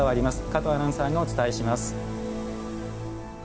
加藤アナウンサーが伝えます。